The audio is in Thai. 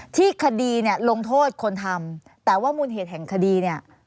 ที่คดีเนี่ยลงโทษคนทำแต่ว่ามูลเหตุแห่งคดีเนี่ย